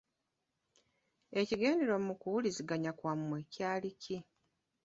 Ekigendererwa mu kuwuliziganya kwammwe kyali ki?